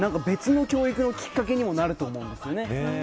別の教育のきっかけにもなると思いますね。